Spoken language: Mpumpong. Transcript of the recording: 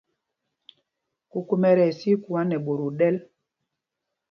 Kūkūmā ɛ tí sá íkuǎ nɛ ɓot o ɗɛ̄l.